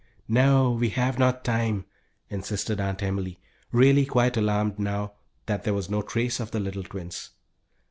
"No, we have not time," insisted Aunt Emily; really quite alarmed now that there was no trace of the little twins.